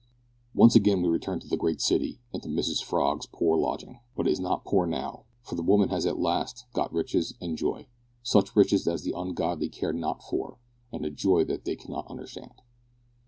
Once again we return to the great city, and to Mrs Frog's poor lodging. But it is not poor now, for the woman has at last got riches and joy such riches as the ungodly care not for, and a joy that they cannot understand.